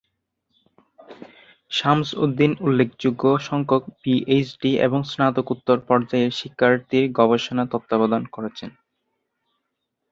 শামস-উদ-দীন উল্লেখযোগ্য সংখ্যক পিএইচডি এবং স্নাতকোত্তর পর্যায়ের শিক্ষার্থীর গবেষণা তত্ত্বাবধান করেছেন।